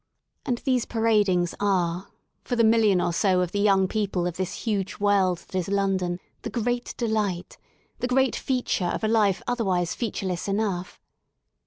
And these paradings are, for the million or so of the young people of this huge world that is London, the great delight, the great feature of a life otherwise featureless enough.